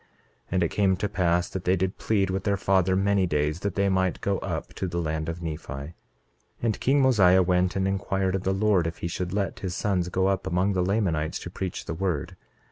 28:5 And it came to pass that they did plead with their father many days that they might go up to the land of Nephi. 28:6 And king Mosiah went and inquired of the Lord if he should let his sons go up among the Lamanites to preach the word.